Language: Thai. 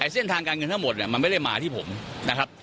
เส้นทางการเงินทั้งหมดมันไม่ได้มาที่ผมนะครับ